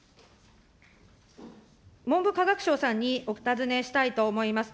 文部科学省さんにお尋ねしたいと思います。